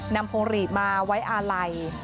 นำโพงหลีบมาไว้อาลัย